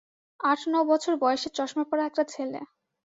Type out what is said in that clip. আট-ন বছর বয়সের চশমাপরা একটা ছেলে।